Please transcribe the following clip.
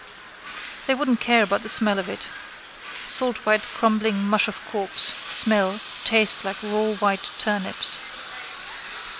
They wouldn't care about the smell of it. Saltwhite crumbling mush of corpse: smell, taste like raw white turnips.